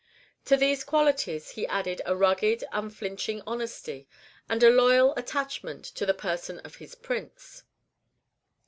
To these qualities he added a rugged, unflinching honesty, and a loyal attachment to the person of his Prince.